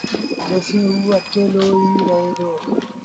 تيسيٚݩٚ اوٚ اڪيلو ئيٚ رهي دو